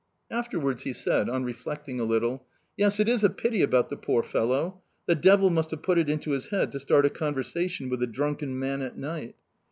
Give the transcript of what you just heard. Afterwards he said, on reflecting a little: "Yes, it is a pity about the poor fellow! The devil must have put it into his head to start a conversation with a drunken man at night!